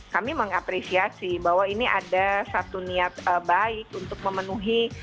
kami mengapresiasi bahwa ini ada satu niat baik untuk memenuhi